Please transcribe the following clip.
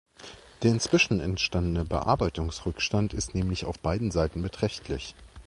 Der inzwischen entstandene Bearbeitungsrückstand ist nämlich auf beiden Seiten beträchtlich.